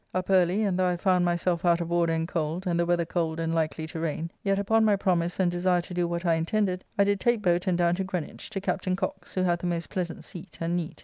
Up early, and though I found myself out of order and cold, and the weather cold and likely to rain, yet upon my promise and desire to do what I intended, I did take boat and down to Greenwich, to Captain Cocke's, who hath a most pleasant seat, and neat.